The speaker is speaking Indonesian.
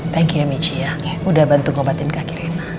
thank you michi ya udah bantu ngobatin kaki rina